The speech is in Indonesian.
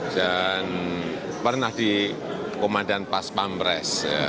dan pernah di komandan paspam pres